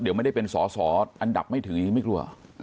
เดี๋ยวไม่ได้เป็นสออันดับไม่ถึงไม่กลัว